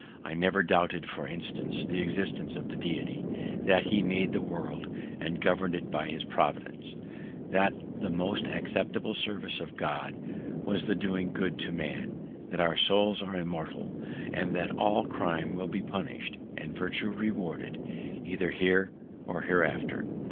I never doubted, for instance, the existence of the Deity; that he made the world, and govern'd it by his Providence; that the most acceptable service of God was the doing good to man; that our souls are immortal; and that all crime will be punished, and virtue rewarded, either here or hereafter.